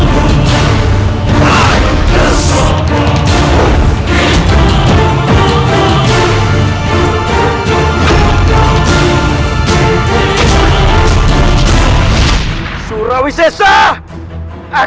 serangan dari separtum kembar itu dan kau tidak baik alasan secara moral